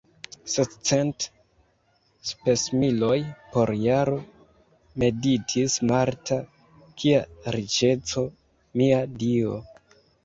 Sescent spesmiloj por jaro, meditis Marta, kia riĉeco, mia Dio!